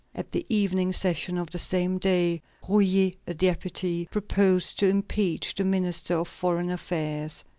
At the evening session of the same day, Rouyer, a deputy, proposed to impeach the Minister of Foreign Affairs.